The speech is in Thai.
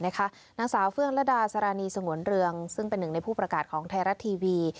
นางสาวเฟื่องระดาสารีสงวนเรืองซึ่งเป็นหนึ่งในผู้ประกาศของไทยรัฐทีวี